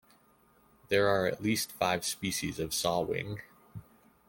There are at least five species of saw-wing.